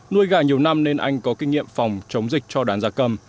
nuôi gà nhiều năm nên anh có kinh nghiệm phòng chống dịch cho đàn gia cầm